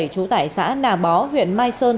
trú tại xã nà bó huyện mai sơn